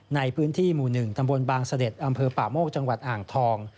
ในพื้นที่หมู่๑ตำบลบางเสด็จอำเภอป่าโมกจังหวัดอ่างทอง